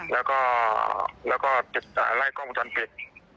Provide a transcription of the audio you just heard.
แล้วก็ไล่กล้องวงจรปิด